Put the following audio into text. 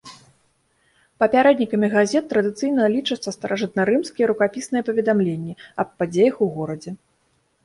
Папярэднікамі газет традыцыйна лічацца старажытнарымскія рукапісныя паведамленні аб падзеях у горадзе.